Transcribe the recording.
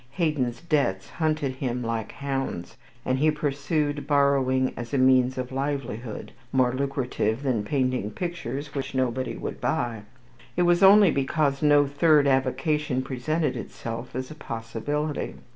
Haydon's debts hunted him like hounds, and if he pursued borrowing as a means of livelihood, more lucrative than painting pictures which nobody would buy, it was only because no third avocation presented itself as a possibility.